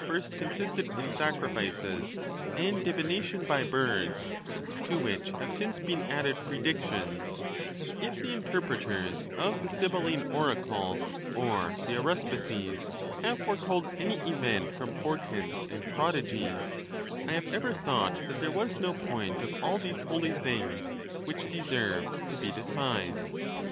first consisted in sacrifices and divination by birds, to which have since been added predictions, if the interpret ers' of the Sibylline oracle or the aruspices have foretold any event from portents and prodigies, I have ever thought that there was no point of all these holy things which de served to be despised.